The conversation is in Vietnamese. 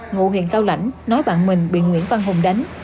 ngụ huyện cao lãnh nói bạn mình bị nguyễn văn hùng đánh